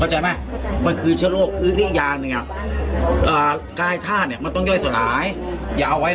หมูที่มันออกมาเหมือนลกใช่ไหม